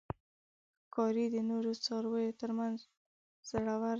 ښکاري د نورو څارویو تر منځ زړور دی.